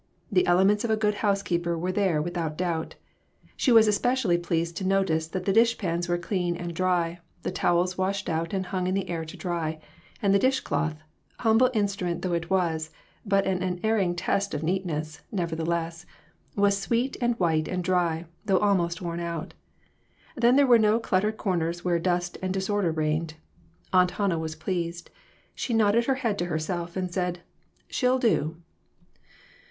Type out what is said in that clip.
The elements of a good housekeeper were there without doubt. She was especially pleased to notice that the dishpans were clean and dry, the towels washed out and hung in the air to dry, and the dishcloth humble instrument though it was, but an unerring test of neatness, never theless was sweet and white and dry, though almost worn out. Then there were no cluttered corners where dust and disorder reigned. Aunt Hannah was pleased. She nodded her head to herself, and said . "She'll do."